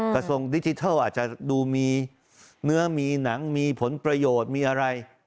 กระทรวงดิจิทัลอาจจะดูมีเนื้อมีหนังมีผลประโยชน์มีอะไร